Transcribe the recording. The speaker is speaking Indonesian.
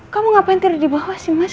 kamu ngapain tidur di bawah sih mas